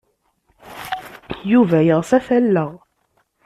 Yuba yeɣs ad t-alleɣ.